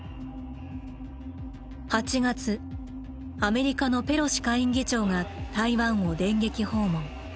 ８月アメリカのペロシ下院議長が台湾を電撃訪問。